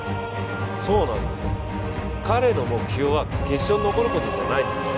そうなんですよ、彼の目標は決勝に残ることじゃないんですよ。